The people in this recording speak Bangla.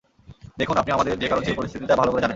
দেখুন, আপনি আমাদের যে কারও চেয়ে পরিস্থিতিটা ভালো করে জানেন।